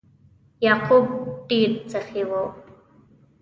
یعقوب ډیر سخي و.